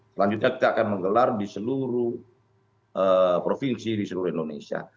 selanjutnya kita akan menggelar di seluruh provinsi di seluruh indonesia